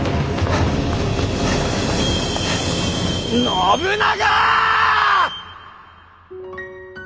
信長！